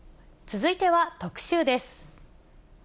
続いては特集です。